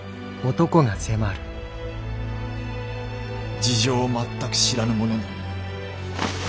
事情をまったく知らぬ者に。